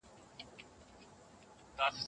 دواړه هيلې او وېره په فضا کې ګډېږي.